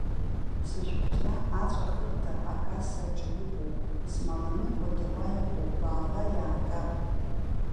Сышәҟәҭра аҵәахырҭа акассаҿы иҟоуп, смаланыҟәагьы уа иҟоуп, баала иаагап.